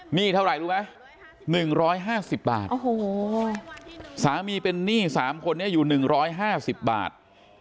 หนี้เท่าไหร่รู้ไหม๑๕๐บาทโอ้โหสามีเป็นหนี้๓คนนี้อยู่๑๕๐บาท